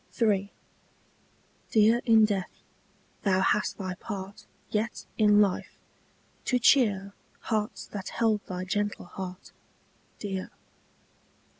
III. Dear in death, thou hast thy part Yet in life, to cheer Hearts that held thy gentle heart Dear.